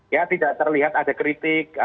ya tidak terlihat ada kritik